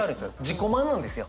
自己満なんですよ。